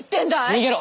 逃げろ！